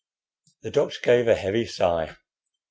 The doctor gave a heavy sigh.